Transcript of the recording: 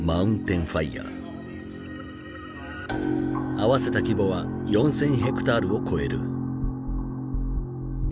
合わせた規模は４，０００ヘクタールを超える。